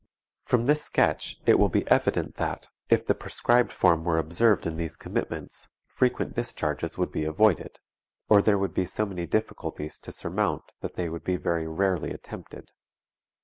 From this sketch it will be evident that, if the prescribed form were observed in these commitments, frequent discharges would be avoided, or there would be so many difficulties to surmount that they would be very rarely attempted.